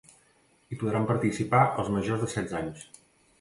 Hi podran participar els majors de setze anys.